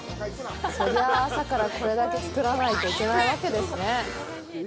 そりゃあ、朝からこれだけ作らないといけないわけですね。